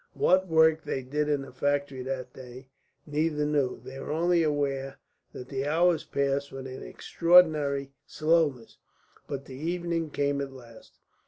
What work they did in the factory that day neither knew. They were only aware that the hours passed with an extraordinary slowness, but the evening came at last.